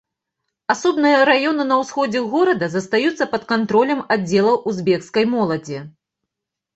Асобныя раёны на ўсходзе горада застаюцца пад кантролем аддзелаў узбекскай моладзі.